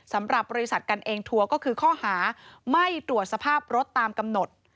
สำหรับบริษัทกันเองทัวร์ก็คือข้อหาไม่ตรวจสภาพรถตามกำหนด